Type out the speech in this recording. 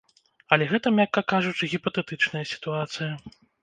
Але гэта, мякка кажучы, гіпатэтычная сітуацыя.